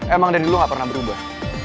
emang dari dulu nggak pernah berubah